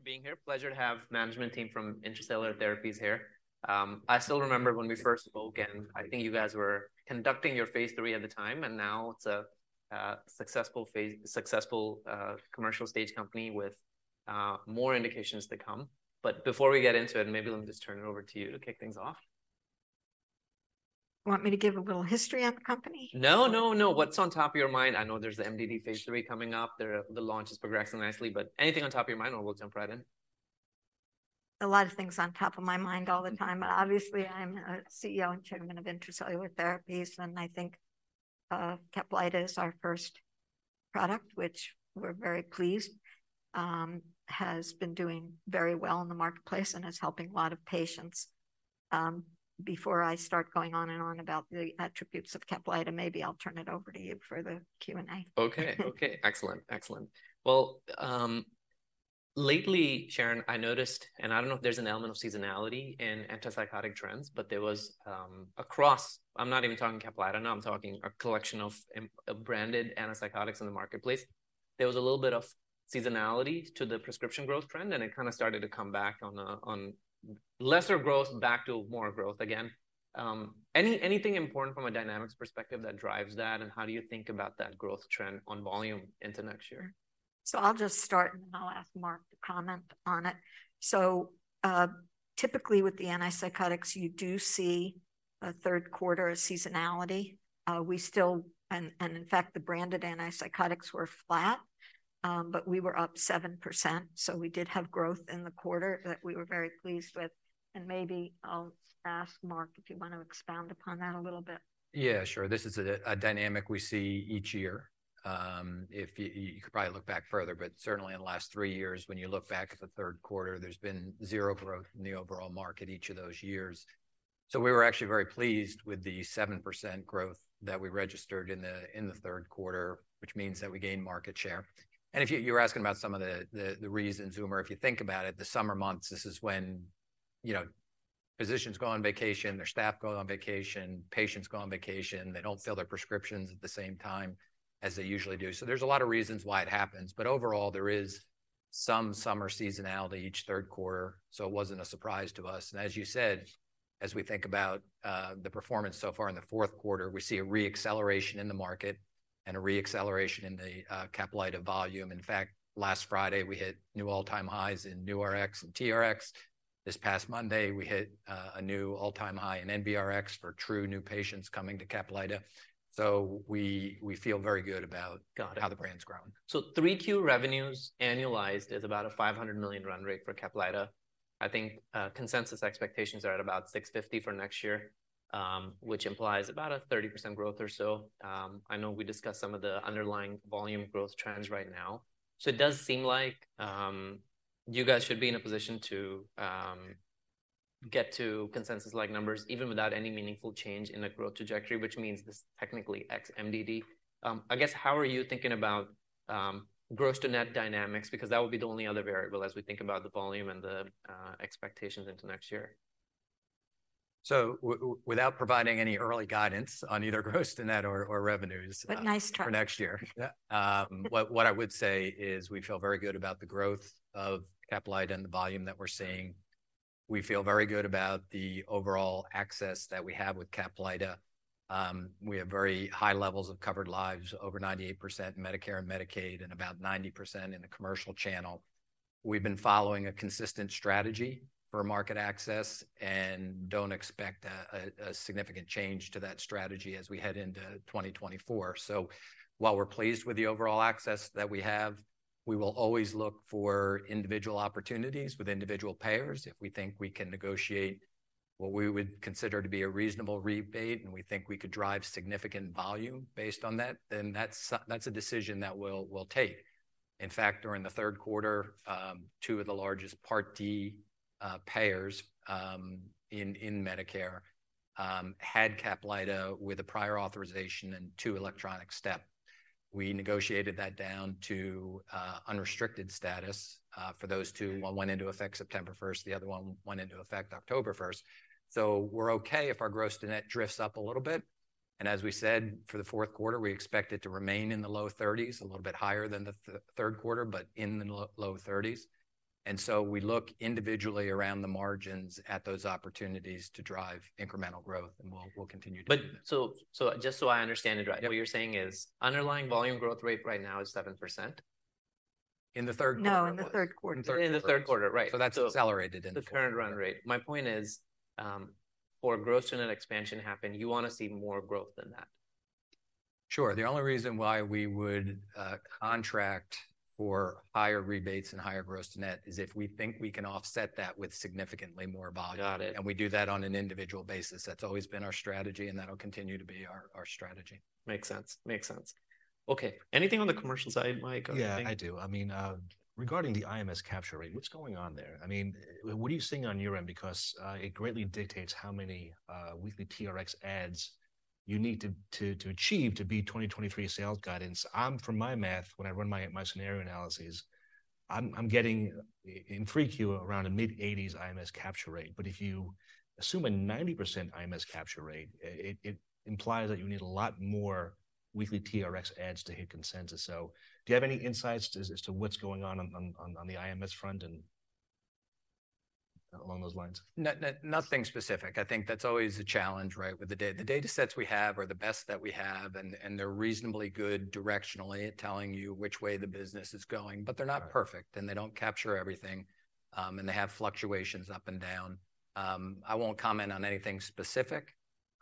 Thanks for being here. Pleasure to have management team from Intra-Cellular Therapies here. I still remember when we first spoke, and I think you guys were conducting your phase III at the time, and now it's a successful commercial stage company with more indications to come. But before we get into it, maybe let me just turn it over to you to kick things off. You want me to give a little history on the company? No, no, no. What's on top of your mind? I know there's the MDD phase III coming up. The launch is progressing nicely, but anything on top of your mind, and we'll jump right in. A lot of things on top of my mind all the time. Obviously, I'm a CEO and Chairman of Intra-Cellular Therapies, and I think, CAPLYTA is our first product, which we're very pleased has been doing very well in the marketplace and is helping a lot of patients. Before I start going on and on about the attributes of CAPLYTA, maybe I'll turn it over to you for the Q&A. Okay. Okay, excellent. Excellent. Well, lately, Sharon, I noticed, and I don't know if there's an element of seasonality in antipsychotic trends, but there was, across... I'm not even talking CAPLYTA now, I'm talking a collection of branded antipsychotics in the marketplace. There was a little bit of seasonality to the prescription growth trend, and it kind of started to come back on lesser growth, back to more growth again. Anything important from a dynamics perspective that drives that, and how do you think about that growth trend on volume into next year? So I'll just start, and then I'll ask Mark to comment on it. So, typically, with the antipsychotics, you do see a third quarter seasonality. We still, and in fact, the branded antipsychotics were flat, but we were up 7%, so we did have growth in the quarter that we were very pleased with. And maybe I'll ask Mark if you want to expound upon that a little bit. Yeah, sure. This is a dynamic we see each year. If you could probably look back further, but certainly in the last three years, when you look back at the third quarter, there's been zero growth in the overall market each of those years. So we were actually very pleased with the 7% growth that we registered in the third quarter, which means that we gained market share. And if you were asking about some of the reasons, Umer, if you think about it, the summer months, this is when, you know, physicians go on vacation, their staff go on vacation, patients go on vacation. They don't fill their prescriptions at the same time as they usually do. So there's a lot of reasons why it happens, but overall, there is some summer seasonality each third quarter, so it wasn't a surprise to us. And as you said, as we think about the performance so far in the fourth quarter, we see a re-acceleration in the market and a re-acceleration in the CAPLYTA volume. In fact, last Friday, we hit new all-time highs in new Rx and TRx. This past Monday, we hit a new all-time high in NBRx for true new patients coming to CAPLYTA. So we feel very good about. Got it How the brand's grown. So 3Q revenues, annualized, is about a $500 million run rate for CAPLYTA I think, consensus expectations are at about $650 million for next year, which implies about a 30% growth or so. I know we discussed some of the underlying volume growth trends right now. So it does seem like, you guys should be in a position to, get to consensus-like numbers, even without any meaningful change in the growth trajectory, which means this is technically ex MDD. I guess, how are you thinking about, gross to net dynamics? Because that would be the only other variable as we think about the volume and the, expectations into next year? Without providing any early guidance on either gross to net or revenues- But nice try. For next year. What I would say is we feel very good about the growth of CAPLYTA and the volume that we're seeing. We feel very good about the overall access that we have with CAPLYTA. We have very high levels of covered lives, over 98% Medicare and Medicaid, and about 90% in the commercial channel. We've been following a consistent strategy for market access and don't expect a significant change to that strategy as we head into 2024. So while we're pleased with the overall access that we have, we will always look for individual opportunities with individual payers. If we think we can negotiate what we would consider to be a reasonable rebate, and we think we could drive significant volume based on that, then that's a decision that we'll take. In fact, during the third quarter, two of the largest Part D payers in Medicare had CAPLYTA with a prior authorization and two electronic step. We negotiated that down to unrestricted status for those two. One went into effect September first, the other one went into effect October first. So we're okay if our gross to net drifts up a little bit, and as we said, for the fourth quarter, we expect it to remain in the low thirties, a little bit higher than the third quarter, but in the low thirties. And so we look individually around the margins at those opportunities to drive incremental growth, and we'll continue to do that. But so, just so I understand it right- Yeah. What you're saying is, underlying volume growth rate right now is 7%? In the third quarter. No, in the third quarter. In the third quarter. In the third quarter, right. So that's accelerated in t The current run rate. My point is, for gross to net expansion to happen, you want to see more growth than that? Sure. The only reason why we would contract for higher rebates and higher gross net is if we think we can offset that with significantly more volume. Got it. We do that on an individual basis. That's always been our strategy, and that'll continue to be our strategy. Makes sense. Makes sense. Okay, anything on the commercial side, Mike? Yeah, I do. I mean, regarding the IMS capture rate, what's going on there? I mean, what are you seeing on your end? Because it greatly dictates how many weekly TRX ads you need to achieve to beat 2023 sales guidance. From my math, when I run my scenario analyses, I'm getting in 3Q around the mid-80s IMS capture rate. But if you assume a 90% IMS capture rate, it implies that you need a lot more- Weekly TRX adds to hit consensus. So do you have any insights as to what's going on on the IMS front and along those lines? Nothing specific. I think that's always a challenge, right? With the data, the datasets we have are the best that we have, and they're reasonably good directionally at telling you which way the business is going. But they're not perfect, and they don't capture everything, and they have fluctuations up and down. I won't comment on anything specific,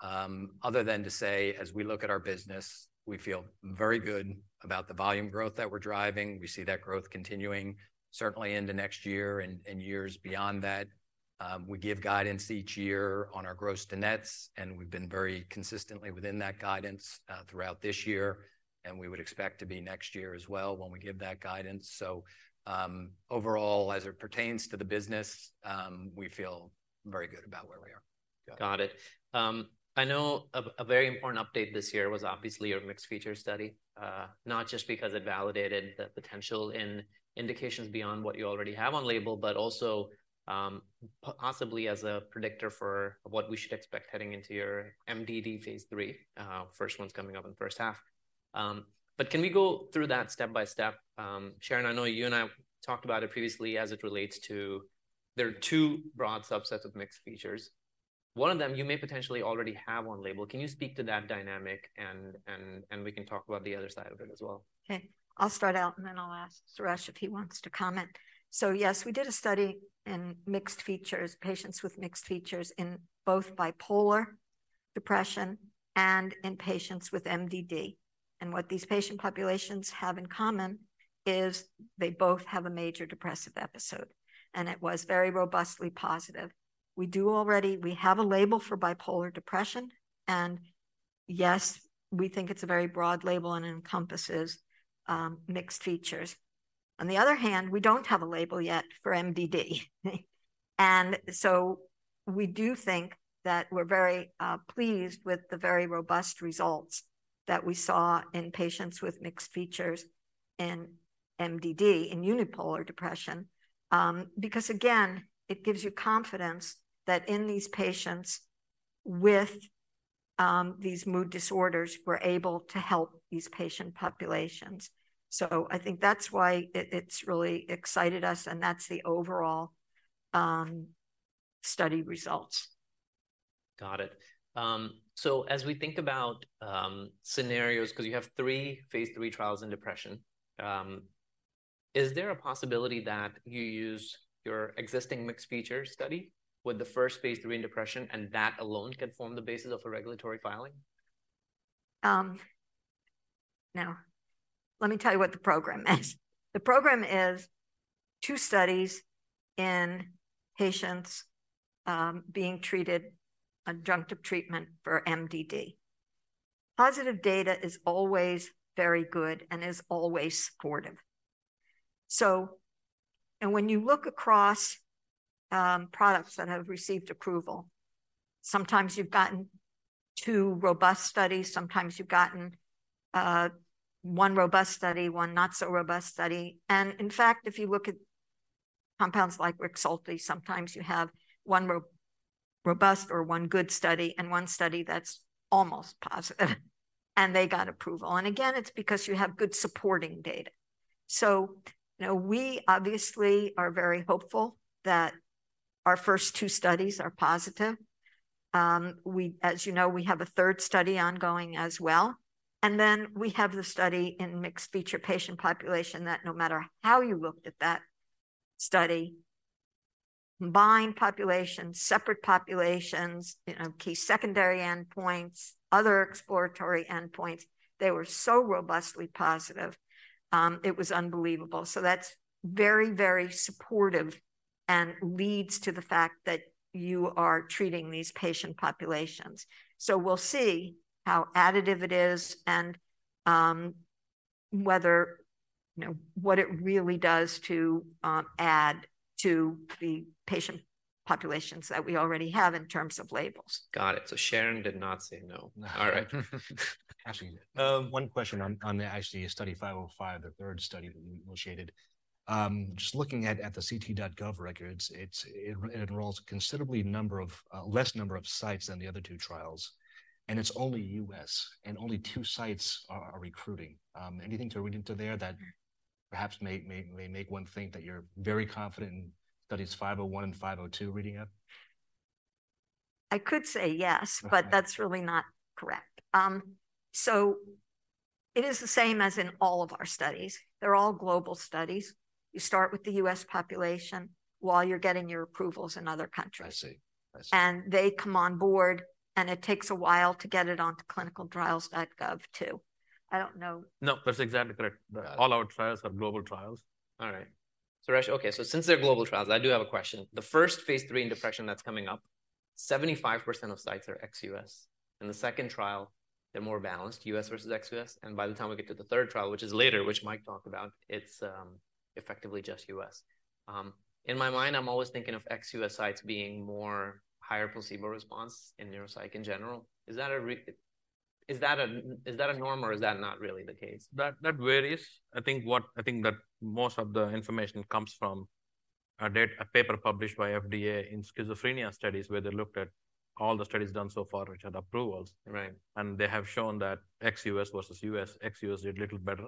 other than to say, as we look at our business, we feel very good about the volume growth that we're driving. We see that growth continuing certainly into next year and years beyond that. We give guidance each year on our gross to nets, and we've been very consistently within that guidance, throughout this year, and we would expect to be next year as well when we give that guidance. Overall, as it pertains to the business, we feel very good about where we are. Got it. I know a very important update this year was obviously your mixed features study. Not just because it validated the potential in indications beyond what you already have on label, but also possibly as a predictor for what we should expect heading into your MDD phase III. First one's coming up in the first half. But can we go through that step by step? Sharon, I know you and I talked about it previously as it relates to... There are two broad subsets of mixed features. One of them, you may potentially already have on label. Can you speak to that dynamic, and we can talk about the other side of it as well? Okay. I'll start out, and then I'll ask Suresh if he wants to comment. So yes, we did a study in mixed features, patients with mixed features in both bipolar depression and in patients with MDD. And what these patient populations have in common is they both have a major depressive episode, and it was very robustly positive. We do already have a label for bipolar depression, and yes, we think it's a very broad label, and it encompasses mixed features. On the other hand, we don't have a label yet for MDD. And so we do think that we're very pleased with the very robust results that we saw in patients with mixed features in MDD, in unipolar depression. Because again, it gives you confidence that in these patients with these mood disorders, we're able to help these patient populations. I think that's why it, it's really excited us, and that's the overall, study results. Got it. So as we think about scenarios, 'cause you have three phase III trials in depression, is there a possibility that you use your existing mixed feature study with the first phase III in depression, and that alone could form the basis of a regulatory filing? Now, let me tell you what the program is. The program is two studies in patients, being treated, adjunctive treatment for MDD. Positive data is always very good and is always supportive. So, when you look across products that have received approval, sometimes you've gotten two robust studies, sometimes you've gotten one robust study, one not-so-robust study. And in fact, if you look at compounds like Rexulti, sometimes you have one robust or one good study and one study that's almost positive, and they got approval. And again, it's because you have good supporting data. So you know, we obviously are very hopeful that our first two studies are positive. We, as you know, we have a third study ongoing as well, and then we have the study in mixed features patient population that no matter how you looked at that study, combined populations, separate populations, you know, key secondary endpoints, other exploratory endpoints, they were so robustly positive. It was unbelievable. So that's very, very supportive and leads to the fact that you are treating these patient populations. So we'll see how additive it is and, whether, you know, what it really does to, add to the patient populations that we already have in terms of labels. Got it. So Sharon did not say no. No. All right. Ashley, one question on the actually Study 505, the third study that we initiated. Just looking at the ct.gov records, it enrolls a considerably less number of sites than the other two trials, and it's only US, and only two sites are recruiting. Anything to read into there that perhaps may make one think that you're very confident in Studies 501 and 502 reading up? I could say yes, but that's really not correct. So it is the same as in all of our studies. They're all global studies. You start with the US population while you're getting your approvals in other countries. I see. I see. They come on board, and it takes a while to get it onto ClinicalTrials.gov, too. I don't know- No, that's exactly correct. Yeah. All our trials are global trials. All right. Suresh, okay, so since they're global trials, I do have a question. The first phase III in depression that's coming up, 75% of sites are ex-U.S. In the second trial, they're more balanced, U.S. versus ex-U.S., and by the time we get to the third trial, which is later, which Mike talked about, it's effectively just U.S. In my mind, I'm always thinking of ex-U.S. sites being more higher placebo response in neuropsych in general. Is that a norm, or is that not really the case? That varies. I think that most of the information comes from... I read a paper published by FDA in schizophrenia studies where they looked at all the studies done so far, which had approvals. Right. They have shown that ex-U.S. versus U.S., ex-U.S. did little better,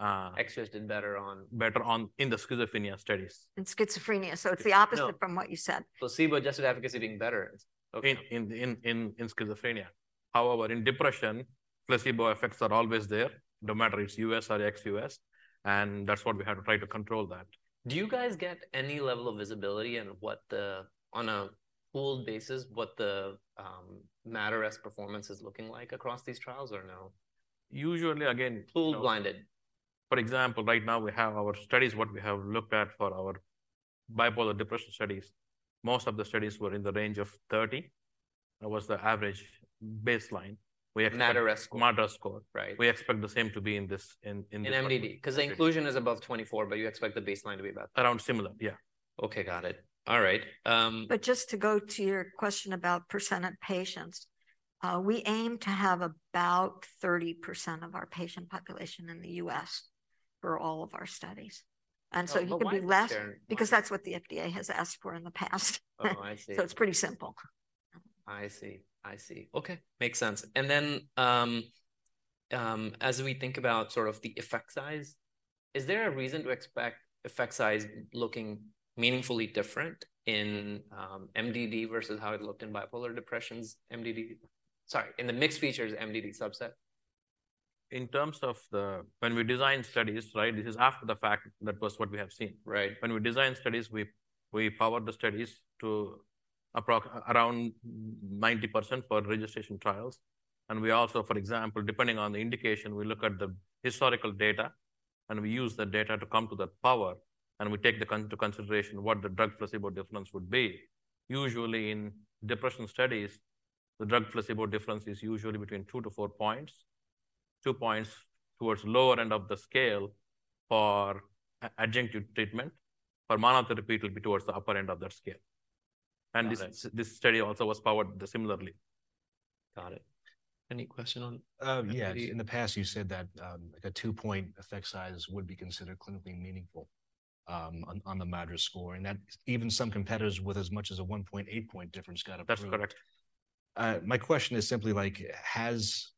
Ex-U.S. did better on? Better on in the schizophrenia studies. In schizophrenia. So it's the opposite from what you said. Placebo-adjusted efficacy is doing better. Okay. In schizophrenia. However, in depression, placebo effects are always there, no matter it's U.S. or ex-U.S., and that's what we have to try to control that. Do you guys get any level of visibility in what the, on a pooled basis, what the MADRS performance is looking like across these trials or no? Usually, again- Pool blinded. For example, right now we have our studies, what we have looked at for our bipolar depression studies. Most of the studies were in the range of 30. That was the average baseline. We expect- MADRS score. MADRS score. Right. We expect the same to be in this. In MDD, 'cause the inclusion is above 24, but you expect the baseline to be about- Around similar, yeah. Okay, got it. All right. Just to go to your question about percent of patients, we aim to have about 30% of our patient population in the U.S. for all of our studies. So it could be less- But why is there- Because that's what the FDA has asked for in the past. Oh, I see. It's pretty simple. I see. I see. Okay, makes sense. And then, as we think about sort of the effect size, is there a reason to expect effect size looking meaningfully different in MDD versus how it looked in bipolar depression MDD? Sorry, in the mixed features MDD subset. In terms of the... When we design studies, right, this is after the fact, that was what we have seen. Right. When we design studies, we power the studies to around 90% for registration trials. And we also, for example, depending on the indication, we look at the historical data, and we use the data to come to that power, and we take into consideration what the drug placebo difference would be. Usually, in depression studies, the drug placebo difference is usually between 2-4 points. 2 points towards lower end of the scale for adjunctive treatment, for monotherapy, it will be towards the upper end of that scale. Got it. This study also was powered similarly. Got it. Any question on MDD? Yeah. In the past, you said that, like a 2-point effect size would be considered clinically meaningful, on the MADRS score, and that even some competitors with as much as a 1.8-point difference got approved. That's correct. My question is simply like, has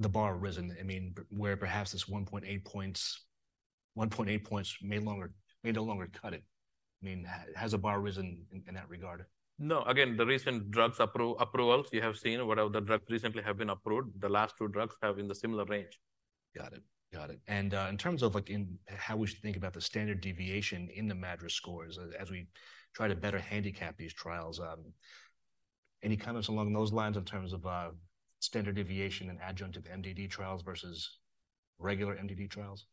the bar risen? I mean, where perhaps this 1.8 points, 1.8 points may no longer cut it. I mean, has the bar risen in that regard? No. Again, the recent drugs approvals, you have seen whatever the drugs recently have been approved, the last two drugs have in the similar range. Got it. Got it. And, in terms of like in how we should think about the standard deviation in the MADRS scores as we try to better handicap these trials, any comments along those lines in terms of standard deviation in adjunctive MDD trials versus regular MDD trials?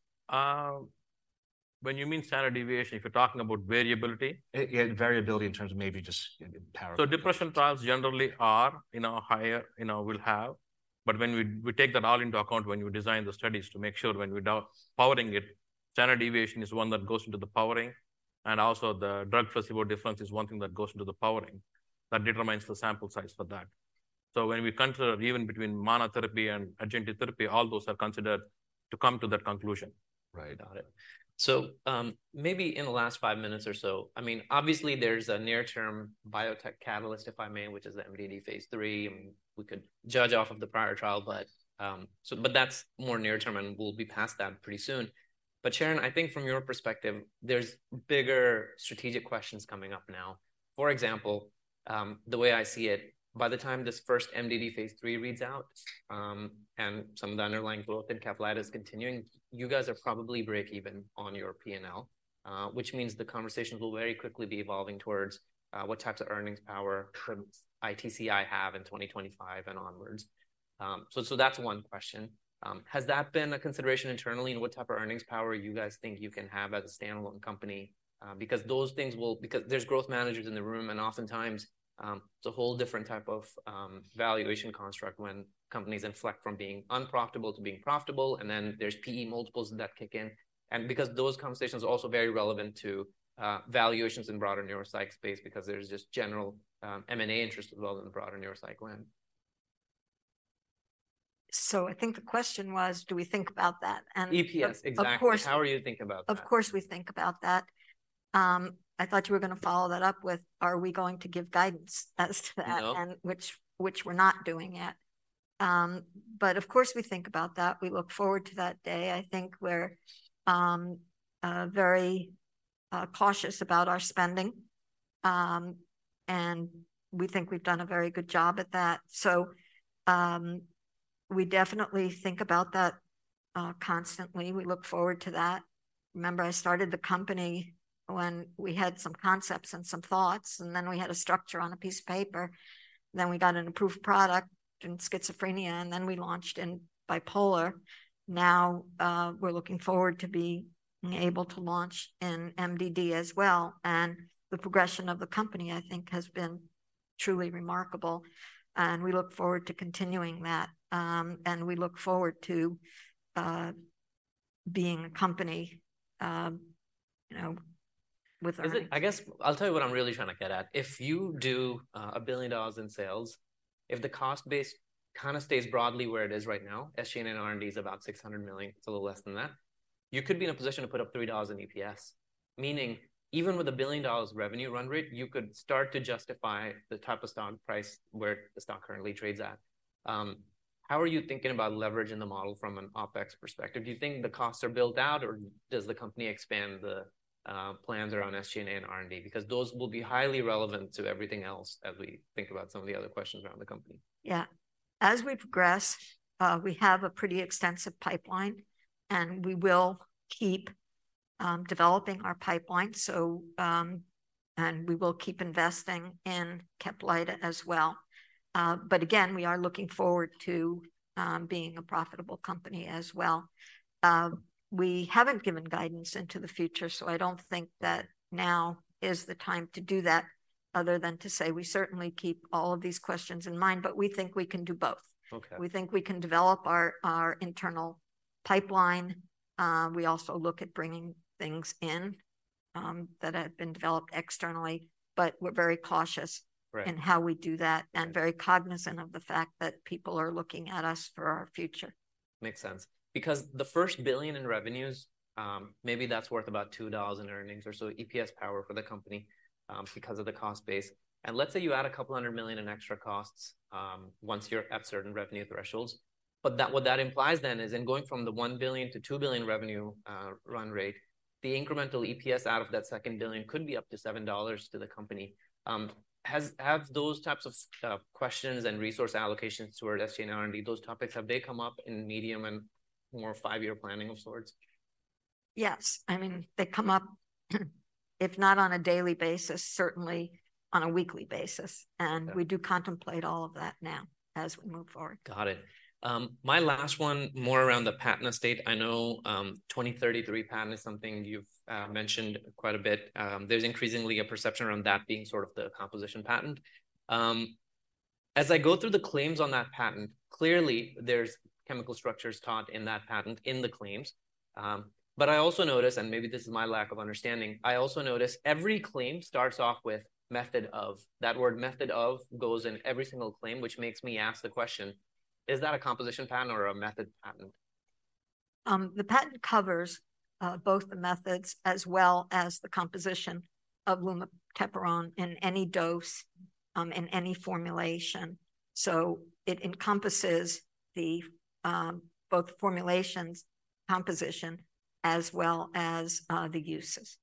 When you mean standard deviation, if you're talking about variability? Yeah, variability in terms of maybe just parallel- So, depression trials generally are, you know, higher, you know, will have. But when we take that all into account when we design the studies to make sure when we're powering it, standard deviation is one that goes into the powering, and also the drug placebo difference is one thing that goes into the powering, that determines the sample size for that. So when we consider even between monotherapy and adjunctive therapy, all those are considered to come to that conclusion. Right. Got it. So, maybe in the last five minutes or so, I mean, obviously there's a near-term biotech catalyst, if I may, which is the MDD phase III, and we could judge off of the prior trial, but. But that's more near-term, and we'll be past that pretty soon. But Sharon, I think from your perspective, there's bigger strategic questions coming up now. For example, the way I see it, by the time this first MDD phase III reads out, and some of the underlying growth in CAPLYTA is continuing, you guys are probably break even on your P&L. Which means the conversations will very quickly be evolving towards, what types of earnings power could ITCI have in 2025 and onwards. So that's one question. Has that been a consideration internally, and what type of earnings power you guys think you can have as a standalone company? Because there's growth managers in the room, and oftentimes, it's a whole different type of valuation construct when companies inflect from being unprofitable to being profitable, and then there's PE multiples that kick in. And because those conversations are also very relevant to valuations in broader neuropsych space, because there's just general M&A interest as well in the broader neuropsych land. So I think the question was, do we think about that? And- EPS, exactly. Of course- How are you thinking about that? Of course, we think about that. I thought you were gonna follow that up with: are we going to give guidance as to that? No. And which we're not doing yet. But of course, we think about that. We look forward to that day. I think we're very cautious about our spending, and we think we've done a very good job at that. So, we definitely think about that constantly. We look forward to that. Remember, I started the company when we had some concepts and some thoughts, and then we had a structure on a piece of paper. Then we got an approved product in schizophrenia, and then we launched in bipolar. Now, we're looking forward to being able to launch in MDD as well, and the progression of the company, I think, has been truly remarkable, and we look forward to continuing that. And we look forward to being a company, you know, with our- I guess, I'll tell you what I'm really trying to get at. If you do a billion dollars in sales, if the cost base kind of stays broadly where it is right now, SG&A and R&D is about $600 million, it's a little less than that. You could be in a position to put up $3 in EPS, meaning even with a $1 billion revenue run rate, you could start to justify the type of stock price where the stock currently trades at. How are you thinking about leveraging the model from an OpEx perspective? Do you think the costs are built out, or does the company expand the plans around SG&A and R&D? Because those will be highly relevant to everything else as we think about some of the other questions around the company. Yeah. As we progress, we have a pretty extensive pipeline, and we will keep developing our pipeline. So, and we will keep investing in CAPLYTA as well. But again, we are looking forward to being a profitable company as well. We haven't given guidance into the future, so I don't think that now is the time to do that, other than to say we certainly keep all of these questions in mind, but we think we can do both. Okay. We think we can develop our internal pipeline. We also look at bringing things in, that have been developed externally, but we're very cautious- Right In how we do that, and very cognizant of the fact that people are looking at us for our future. Makes sense. Because the first $1 billion in revenues, maybe that's worth about $2 in earnings or so, EPS power for the company, because of the cost base. And let's say you add a couple hundred million in extra costs, once you're at certain revenue thresholds, but what that implies then is in going from the $1 billion-$2 billion revenue, run rate, the incremental EPS out of that second billion could be up to $7 to the company. Have those types of, questions and resource allocations toward SG&A and R&D, those topics, have they come up in medium and more five-year planning of sorts? Yes. I mean, they come up, if not on a daily basis, certainly on a weekly basis. Okay. We do contemplate all of that now as we move forward. Got it. My last one, more around the patent estate. I know, 2033 patent is something you've mentioned quite a bit. There's increasingly a perception around that being sort of the composition patent. As I go through the claims on that patent, clearly there's chemical structures taught in that patent, in the claims. But I also notice, and maybe this is my lack of understanding, I also notice every claim starts off with "method of." That word, method of, goes in every single claim, which makes me ask the question: Is that a composition patent or a method patent? The patent covers both the methods as well as the composition of lumateperone in any dose, in any formulation. So it encompasses the both formulations, composition, as well as the uses.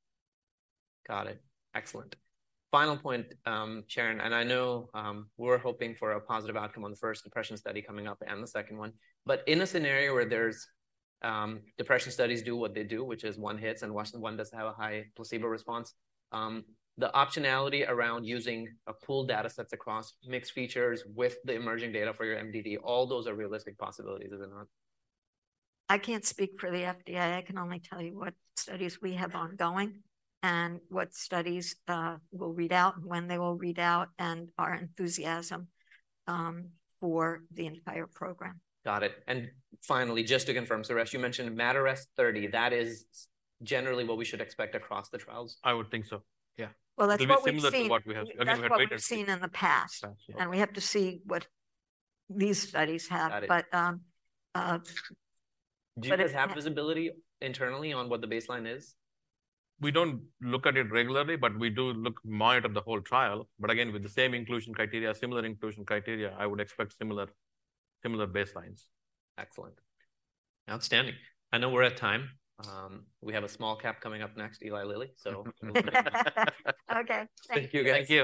Got it. Excellent. Final point, Sharon, and I know, we're hoping for a positive outcome on the first depression study coming up and the second one, but in a scenario where there's, depression studies do what they do, which is one hits, and one doesn't have a high placebo response, the optionality around using a pooled datasets across mixed features with the emerging data for your MDD, all those are realistic possibilities, is it not? I can't speak for the FDA. I can only tell you what studies we have ongoing, and what studies will read out, when they will read out, and our enthusiasm for the entire program. Got it. And finally, just to confirm, Suresh, you mentioned MADRS 30. That is generally what we should expect across the trials? I would think so, yeah. Well, that's what we've seen- Similar to what we have- That's what we've seen in the past. Yeah. We have to see what these studies have. Got it. But it's- Do you have visibility internally on what the baseline is? We don't look at it regularly, but we do look, monitor the whole trial. But again, with the same inclusion criteria, similar inclusion criteria, I would expect similar, similar baselines. Excellent. Outstanding. I know we're at time. We have a small cap coming up next, Eli Lilly, so... Okay. Thank you. Thank you. Thank you.